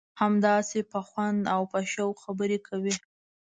همداسې په خوند او په شوق خبرې کوي.